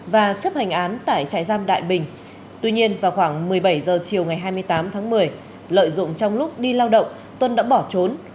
và chấp hành án tại trại giam đại bình tuy nhiên vào khoảng một mươi bảy h chiều ngày hai mươi tám tháng một mươi lợi dụng trong lúc đi lao động tuân đã bỏ trốn